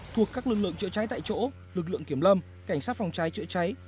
thuộc các lực lượng chữa cháy tại chỗ lực lượng kiểm lâm cảnh sát phòng cháy chữa cháy